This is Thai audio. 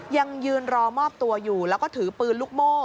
ยังยืนรอมอบตัวอยู่แล้วก็ถือปืนลูกโม่